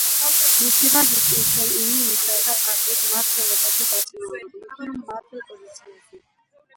მისი ვაჟი კიმ ჩენ ინი მუშათა პარტიის მმართველობაში დაწინაურებულ იქნა მმართველ პოზიციაზე.